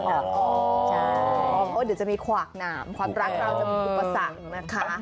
เดี๋ยวจะมีขวากหนามความรักเราจะมีอุปสรรคนะคะ